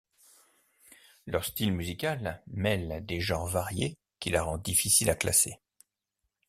Leur style musical mêle des genres variés qui la rend difficile à classer.